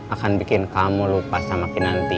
akan bikin kamu lupa sama kinanti